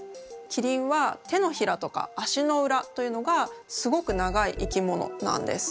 キリンは手のひらとか足の裏というのがすごく長い生き物なんです。